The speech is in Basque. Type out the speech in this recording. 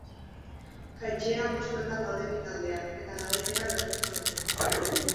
Jaitsiera postuetan daude bi taldeak eta garaipena beharrezkoa dute.